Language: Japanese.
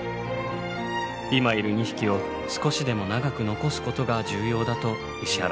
今いる２匹を少しでも長く残すことが重要だと石原さんは言います。